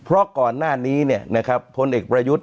เพราะก่อนหน้านี้เนี่ยนะครับพลเอกประยุทธ